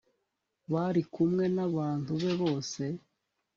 bari kumwe n’abantu be bose